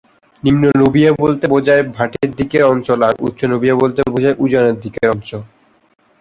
নিম্ন নুবিয়া বলতে বোঝায় ভাটির দিকের অঞ্চল আর উচ্চ নুবিয়া বলতে বোঝায় উজানের দিকের অঞ্চল।